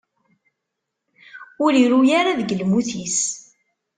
Ur iru ara deg lmut-is.